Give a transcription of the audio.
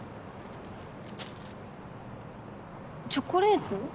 チョコレート？